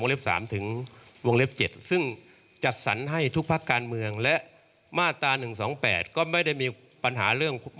เล็บ๓ถึงวงเล็บ๗ซึ่งจัดสรรให้ทุกภาคการเมืองและมาตรา๑๒๘ก็ไม่ได้มีปัญหาเรื่อง